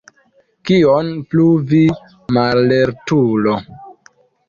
Kion plu, vi mallertulo!